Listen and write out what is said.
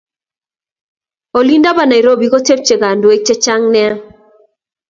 Olinbo Nairobi kotepche kandoik chechang nea